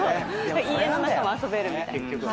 家の中も遊べるみたいな。